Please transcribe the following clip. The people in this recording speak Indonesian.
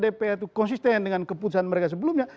dpr itu konsisten dengan keputusan mereka sebelumnya